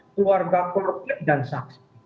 keluarga korban dan saksi